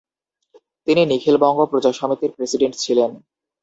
তিনি নিখিল বঙ্গ প্রজা সমিতির প্রেসিডেন্ট ছিলেন।